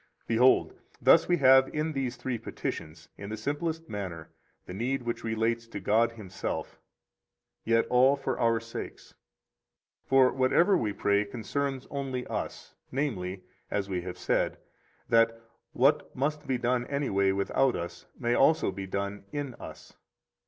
68 Behold, thus we have in these three petitions, in the simplest manner, the need which relates to God Himself, yet all for our sakes. For whatever we pray concerns only us, namely, as we have said, that what must be done anyway without us, may also be done in us.